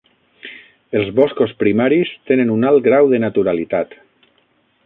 Els boscos primaris tenen un alt grau de naturalitat.